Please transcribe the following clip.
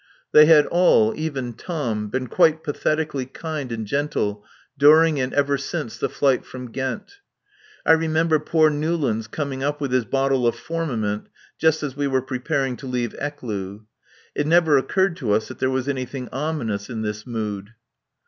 They had all, even Tom, been quite pathetically kind and gentle during and ever since the flight from Ghent. (I remember poor Newlands coming up with his bottle of formamint just as we were preparing to leave Ecloo.) It never occurred to us that there was anything ominous in this mood.